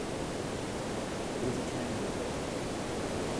It is a transient error.